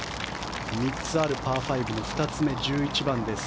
３つあるパー５の２つ目１１番です。